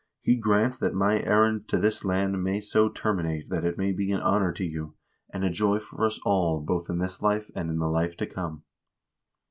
He grant that my errand to this land may so ter minate that it may be an honor to you, and a joy for us all both in this life and in the life to come."